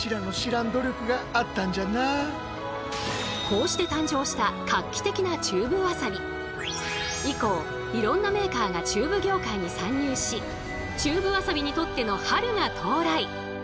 こうして誕生した以降いろんなメーカーがチューブ業界に参入しチューブわさびにとっての春が到来！